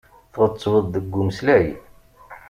Tɣettbeḍ deg umeslay.